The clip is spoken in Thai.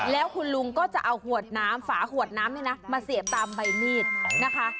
แล้วคุณลุงก็จะเอาขวดน้ำฝาขวดน้ำนี่นะมาเสียบตามใบมีดนะคะ